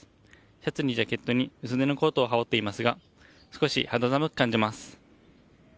シャツにジャケットに薄手のコートを羽織っていますが少し肌寒く感じます。